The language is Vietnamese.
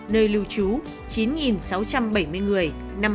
nơi lưu trú chín sáu trăm bảy mươi người năm mươi chín